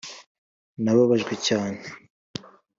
nababajwe cyane.